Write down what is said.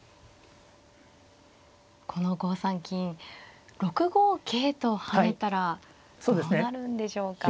この５三金６五桂と跳ねたらどうなるんでしょうか。